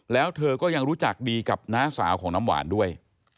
แล้วเธอก็ยังรู้จักดีกับน้าสาวของน้ำหวานด้วย